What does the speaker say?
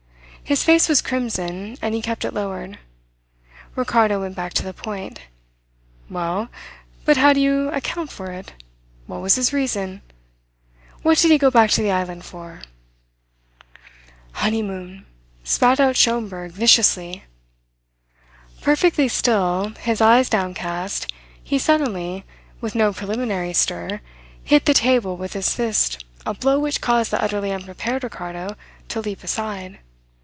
His face was crimson, and he kept it lowered. Ricardo went back to the point. "Well, but how do you account for it? What was his reason? What did he go back to the island for?" "Honeymoon!" spat out Schomberg viciously. Perfectly still, his eyes downcast, he suddenly, with no preliminary stir, hit the table with his fist a blow which caused the utterly unprepared Ricardo to leap aside.